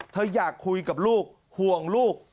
อยากคุยกับลูกห่วงลูก